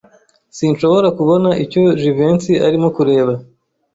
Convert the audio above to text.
Sinshobora kubona icyo Jivency arimo kureba.